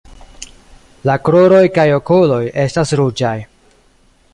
La kruroj kaj okuloj estas ruĝaj.